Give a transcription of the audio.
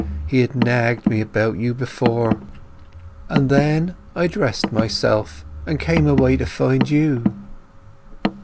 He had nagged me about you before. And then I dressed myself and came away to find you."